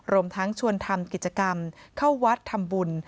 รวมทั้งชวนทำกิจกรรมเข้าวัดทำบุญ